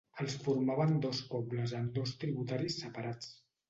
Els formaven dos pobles amb dos tributaris separats.